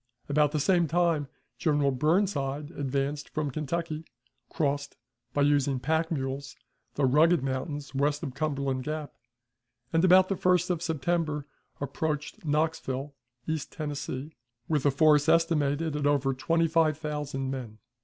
About the same time General Burnside advanced from Kentucky, crossed, by using pack mules, the rugged mountains west of Cumberland Gap, and, about the 1st of September, approached Knoxville, East Tennessee, with a force estimated at over twenty five thousand men.